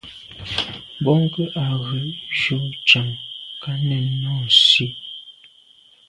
Bwɔ́ŋkə́h à’ghə̀ jʉ́ chàŋ ká nɛ́ɛ̀n nɔɔ́nsí.